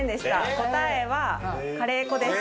答えはカレー粉です。